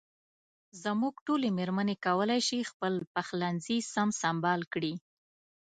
زموږ ټولې مېرمنې کولای شي خپل پخلنځي سم سنبال کړي.